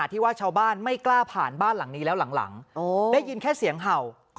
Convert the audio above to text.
ได้ยินไหมฮะ